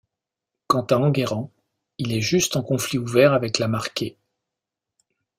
Quant à Enguerrand, il est juste en conflit ouvert avec la Marquet...